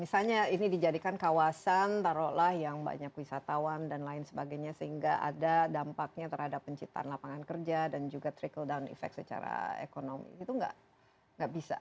misalnya ini dijadikan kawasan taruhlah yang banyak wisatawan dan lain sebagainya sehingga ada dampaknya terhadap penciptaan lapangan kerja dan juga trickle down effect secara ekonomi itu nggak bisa